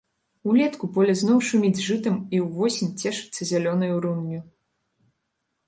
Улетку поле зноў шуміць жытам і ўвосень цешыцца зялёнаю рунню.